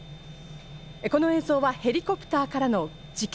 この映像はヘリコプターからの事件